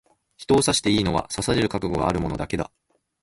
人を刺していいのは、刺される覚悟がある者だけだ。